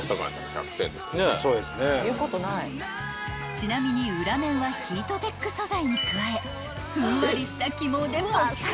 ［ちなみに裏面はヒートテック素材に加えふんわりした起毛で］